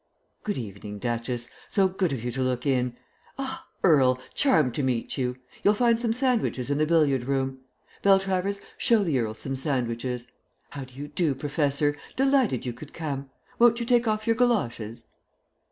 "Good evening, Duchess; so good of you to look in. Ah, Earl, charmed to meet you; you'll find some sandwiches in the billiard room. Beltravers, show the Earl some sandwiches. How do you do, Professor? Delighted you could come. Won't you take off your goloshes?"